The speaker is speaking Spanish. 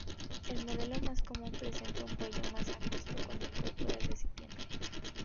El modelo más común presenta un cuello más angosto que el cuerpo del recipiente.